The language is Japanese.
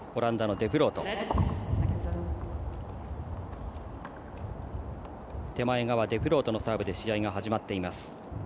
デフロートのサーブで試合が始まっています。